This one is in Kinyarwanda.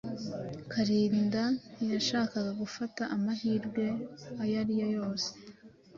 Kalinda ntiyashakaga gufata amahirwe ayo ari yo yose.